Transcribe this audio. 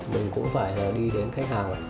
mình cũng phải đi đến khách hàng